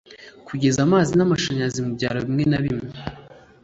kugeza amazi n’amashanyarazi mu byaro bimwe na bimwe